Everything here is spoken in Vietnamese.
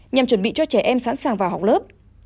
nhằm chuẩn bị cho trẻ em sẵn sàng vào học lớp